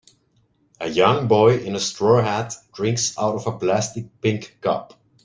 A young boy in a straw hat drinks out of a plastic pink cup